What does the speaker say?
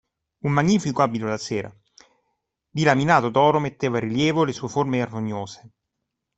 Un magnifico abito da sera, di laminato d'oro metteva in rilievo le sue forme armoniose.